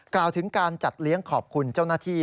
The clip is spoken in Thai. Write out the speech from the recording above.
กล่าวถึงการจัดเลี้ยงขอบคุณเจ้าหน้าที่